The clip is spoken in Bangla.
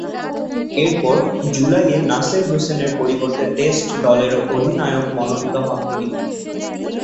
এরপর জুলাইয়ে নাসের হুসেনের পরিবর্তে টেস্ট দলেরও অধিনায়ক মনোনীত হন তিনি।